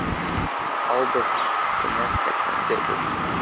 — Һаубыҙ, — тип кенә сикләнде ул.